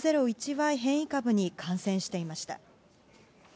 Ｙ変異株に感染していました。